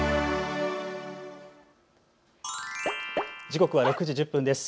時刻は６時１０分です。